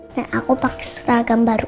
dan aku pake skargan baru